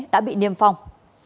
đã bị niêm phong